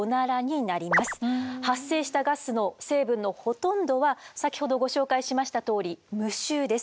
発生したガスの成分のほとんどは先ほどご紹介しましたとおり無臭です。